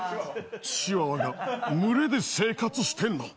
チワワが群れで生活してんの？